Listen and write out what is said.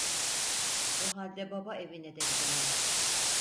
Bu halde baba evine de gidemem.